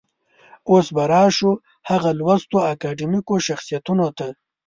اوس به راشو هغه لوستو اکاډمیکو شخصيتونو ته.